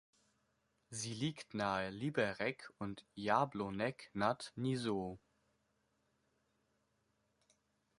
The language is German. Sie liegt nahe Liberec und Jablonec nad Nisou.